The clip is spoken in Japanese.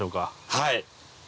はい。